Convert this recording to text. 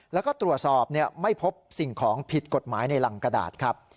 แล้วก็ตรวจสอบไม่พบสิ่งของผิดกฎหมายในรังกระดาษครับ